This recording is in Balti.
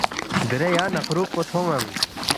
”دیرے یا نقرُوب پو تھون٘نگ